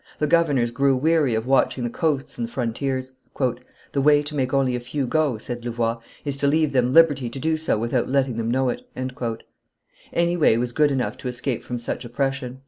The governors grew weary of watching the coasts and the frontiers. "The way to make only a few go," said Louvois, "is to leave them liberty to do so without letting them know it." Any way was good enough to escape from such oppression.